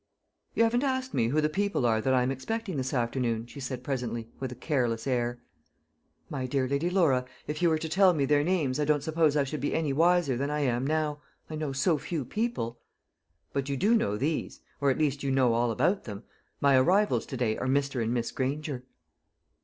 "You haven't asked me who the people are that I am expecting this afternoon," she said presently, with a careless air. "My dear Lady Laura, if you were to tell me their names, I don't suppose I should be any wiser than I am now. I know so few people." "But you do know these or at least you know all about them. My arrivals to day are Mr. and Miss Granger."